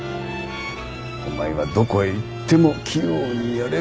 お前はどこへ行っても器用にやれる。